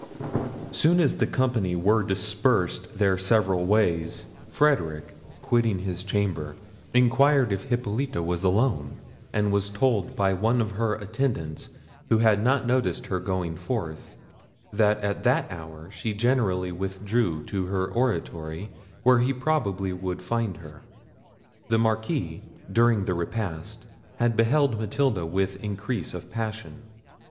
Soon as the company were dispersed their several ways, Frederic, quitting his chamber, inquired if Hippolita was alone, and was told by one of her attendants, who had not noticed her going forth, that at that hour she generally withdrew to her oratory, where he probably would find her. The Marquis, during the repast, had beheld Matilda with increase of passion.